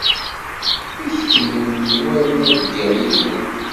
I tkemmlem war ma ddiɣ yid-wen?